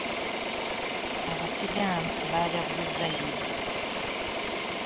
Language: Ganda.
Abasiraamu bajjaguza yidi